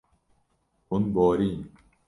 Hûn borîn.